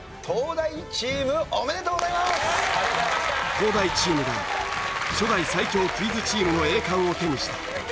東大チームが初代最強クイズチームの栄冠を手にした。